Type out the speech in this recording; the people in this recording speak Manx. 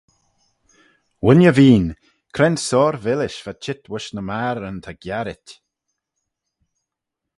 Wooinney veen cre'n soar villish va çheet voish ny magheryn ta giarrit.